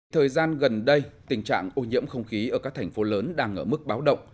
thời gian gần đây tình trạng ô nhiễm không khí ở các thành phố lớn đang ở mức báo động